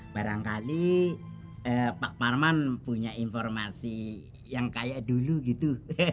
barangkali pak parman punya informasi yang kayak dulu gitu